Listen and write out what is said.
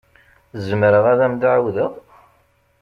Zemreɣ ad am-d-ɛawdeɣ?